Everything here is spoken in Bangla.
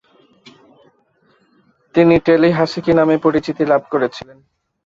তিনি "টেলি হাসেকি" নামে পরিচিতি লাভ করেছিলেন।